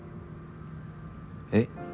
えっ？